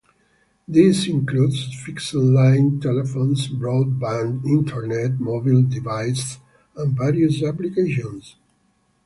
This includes fixed-line telephones, broadband internet, mobile devices, and various applications.